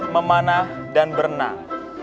memanah dan berenang